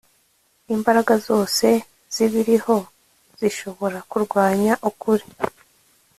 imbaraga zose zibiriho zishobora kurwanya ukuri